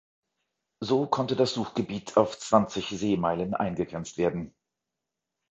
So konnte das Suchgebiet auf zwanzig Seemeilen eingegrenzt werden.